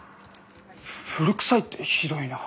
古くさいってひどいなぁ。